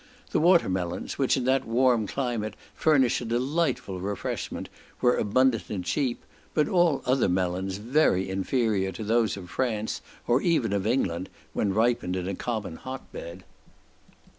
The water melons, which in that warm climate furnish a delightful refreshment, were abundant and cheap; but all other melons very inferior to those of France, or even of England, when ripened in a common hot bed.